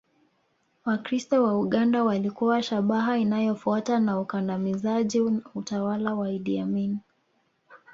Wakristo wa Uganda walikuwa shabaha inayofuata ya ukandamizaji na utawala wa Idi Amin